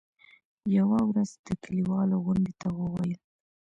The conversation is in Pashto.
يوه ورځ د کلیوالو غونډې ته وویل.